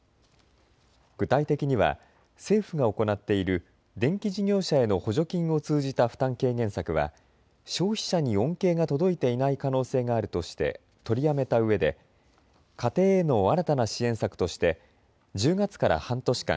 具体的には政府が行っている電気事業者への補助金を通じた負担軽減策は消費者に恩恵が届いていない可能性があるとして取りやめたうえで家庭への新たな支援策として１０月から半年間